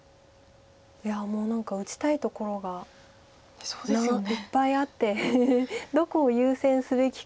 いやもう何か打ちたいところがいっぱいあってどこを優先すべきか。